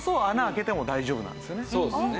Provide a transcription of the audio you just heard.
そうですね。